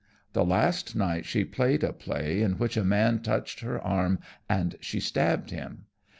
The last night she played a play in which a man touched her arm, and she stabbed him.